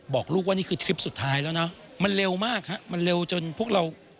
บอกลูกว่านี่คือทริปสุดท้ายแล้วนะมันเร็วมากฮะมันเร็วจนพวกเรา